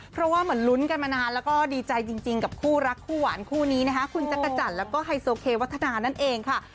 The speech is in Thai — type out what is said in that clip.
เพราะว่าเหมือนลุ้นกันมานานแล้วก็ดีใจจริงกับคู่รักคู่หวานคู่นี้นะคะคุณจักรจันทร์แล้วก็ไฮโซเควัฒนานั่นเองค่ะ